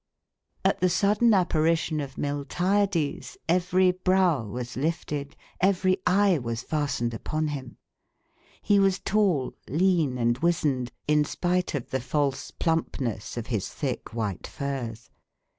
At the sudden apparition of Miltiades every brow was lifted, every eye was fastened upon him. He was tall, lean, and wizened, in spite of the false plumpness of his thick white furs.